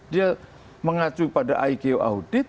dia mengacu pada iko audit